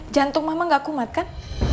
jantung mama gak kumat kan